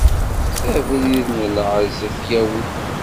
Abrid n lɛezz ad t-yawi.